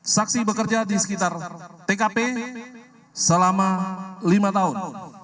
saksi bekerja di sekitar tkp selama lima tahun